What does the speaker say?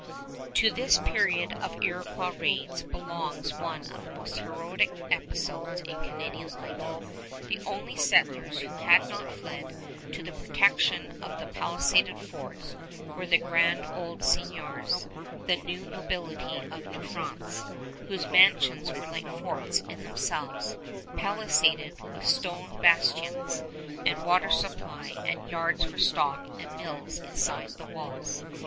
To this period of Iroquois raids belongs one of the most heroic episodes in Canadian life. The only settlers who had not fled to the protection of the palisaded forts were the grand old seigniors, the new nobility of New France, whose mansions were like forts in themselves, palisaded, with stone bastions and water supply and yards for stock and mills inside the walls.